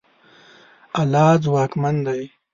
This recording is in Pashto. الله ځواکمن دی.